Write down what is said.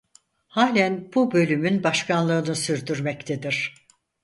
Halen bu bölümün başkanlığını sürdürmektedir.